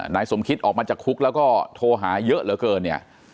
นายสมคิตออกมาจากคุกแล้วก็โทรหาเยอะเหลือเกินเนี่ย